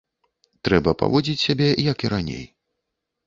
Трэба паводзіць сябе, як і раней.